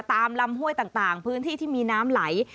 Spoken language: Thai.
ตามลำห้วยต่างพื้นที่ที่มีน้ำไหล